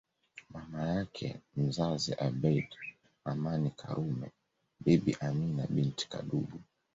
Mama yake mzazi Abeid Amani Karume Bibi Amina binti Kadudu